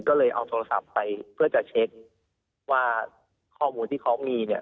ก็เลยเอาโทรศัพท์ไปเพื่อจะเช็คว่าข้อมูลที่เขามีเนี่ย